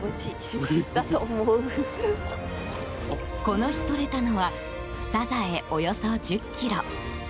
この日とれたのはサザエ、およそ１０ｋｇ。